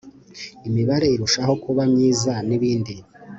imibanire irushaho kuba myiza n' ibindi